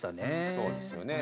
そうですよね。